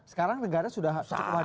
sekarang negara sudah cukup hadir